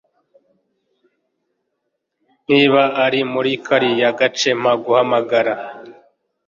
Niba uri muri kariya gace, mpa guhamagara.